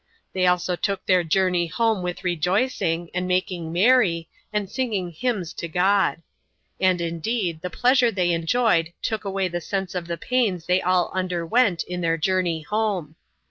They also took their journey home with rejoicing, and making merry, and singing hymns to God. And indeed the pleasure they enjoyed took away the sense of the pains they all underwent in their journey home.